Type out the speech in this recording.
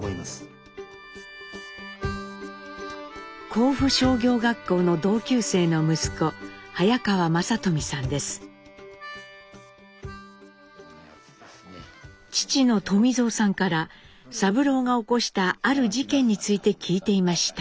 甲府商業学校の父の富造さんから三郎が起こしたある事件について聞いていました。